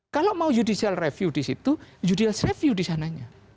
kalau mau judicial review di situ judicial review di sananya